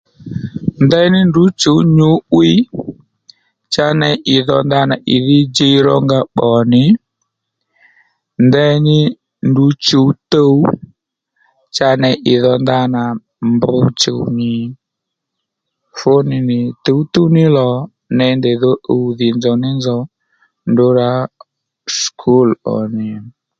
Ndaní ndrǔ chǔw nyǔ'wíy cha ney ìdho ndanà ìdhí djiy rónga pbò nì ndaní ndrǔ chǔw tuw cha ney ì dho ndana mb chùw nì fú nì nì tǔwtǔw ní lò ney ndèy dho ùw dhì nzòw ní nzòw ndrǔ rǎ sukúl ò nì.